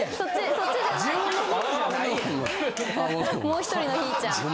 もう１人のひぃちゃん。